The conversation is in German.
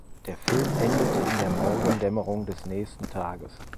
Der Film endet in der Morgendämmerung des nächsten Tages.